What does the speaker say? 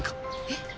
えっ？